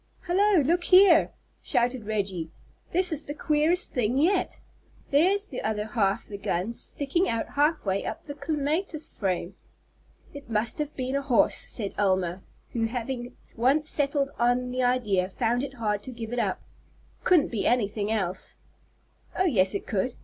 "Hallo, look here!" shouted Reggie. "This is the queerest thing yet. There's the other half the gun sticking out half way up the clematis frame!" "It must have been a horse," said Elma, who having once settled on the idea found it hard to give it up. "It couldn't be anything else." "Oh, yes, it could.